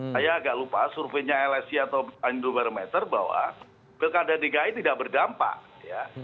saya agak lupa surveinya lsi atau indobarometer bahwa pilkada dki tidak berdampak ya